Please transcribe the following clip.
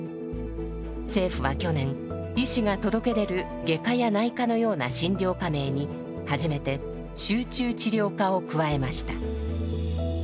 政府は去年医師が届け出る外科や内科のような診療科名に初めて「集中治療科」を加えました。